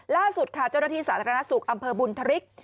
ล่าสุดเจ้าหน้าที่สถานะศุกร์อำเภอบุญธฤษ